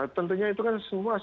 tentunya itu kan semua